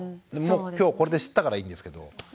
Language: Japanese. もう今日これで知ったからいいんですけど。